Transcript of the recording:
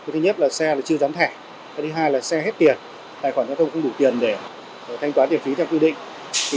thứ nhất là xe chưa gián thẻ thứ hai là xe hết tiền tài khoản không đủ tiền để thanh toán tiền phí theo quy định